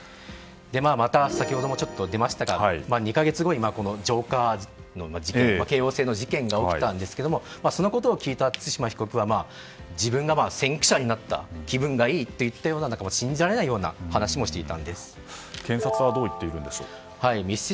また、先ほどもちょっと出ましたが２か月後にジョーカーの京王線の事件が起きたんですけどもそのことを聞いた対馬被告は自分が先駆者になった気分がいいといったような信じられないような話も検察はどういっているんですか。